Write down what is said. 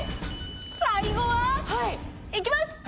最後は！いきます！